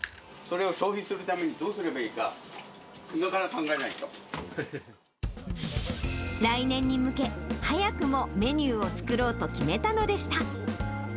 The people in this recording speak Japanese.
それを消費するためにどうすれば来年に向け、早くもメニューを作ろうと決めたのでした。